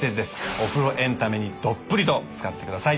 お風呂エンタメにどっぷりと漬かってください。